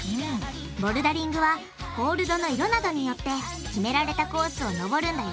ボルダリングはホールドの色などによって決められたコースを登るんだよ